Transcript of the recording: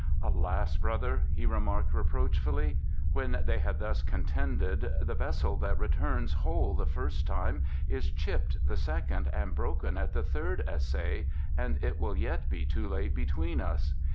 "Alas, brother," he remarked reproachfully, when they had thus contended, "the vessel that returns whole the first time is chipped the second and broken at the third essay, and it will yet be too late between us.